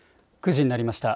９時になりました。